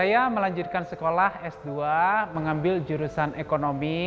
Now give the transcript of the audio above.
saya melanjutkan sekolah s dua mengambil jurusan ekonomi